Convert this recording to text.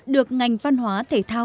được ngành văn hóa thể thao